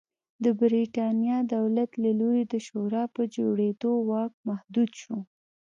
د برېټانیا دولت له لوري د شورا په جوړېدو واک محدود شو.